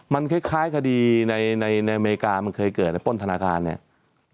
มันคล้ายคดีในอเมริกามันเคยเกิดในป้นธนาคารเนี่ย